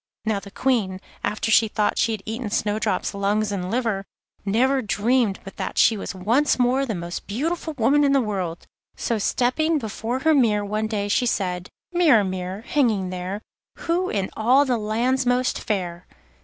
Now the Queen, after she thought she had eaten Snowdrop's lungs and liver, never dreamed but that she was once more the most beautiful woman in the world; so stepping before her mirror one day she said: 'Mirror, mirror, hanging there, Who in all the land's most fair?